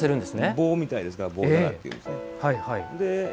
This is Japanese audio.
棒みたいですから棒だらっていうんですね。